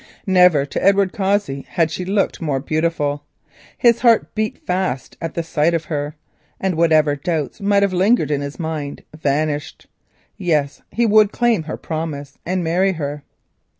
Never to Edward Cossey had she looked more beautiful. His heart beat fast at the sight of her, and whatever doubts might have lingered in his mind, vanished. Yes, he would claim her promise and marry her.